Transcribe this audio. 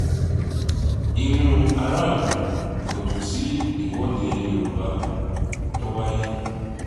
Inú aráàlú kò dùn sí ìwọ́dé Yorùbá tó wáyé.